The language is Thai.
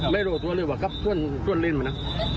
ไม่รู้สึกตัวเลยว่าสวนเล่นไปนะ